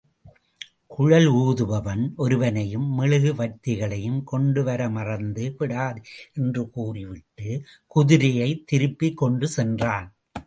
குழல் ஊதுபவன் ஒருவனையும், மெழுகுவர்த்திகளையும் கொண்டுவர மறந்து விடாதே! என்று கூறிவிட்டு, குதிரையைத் திருப்பிக் கொண்டு சென்றான்.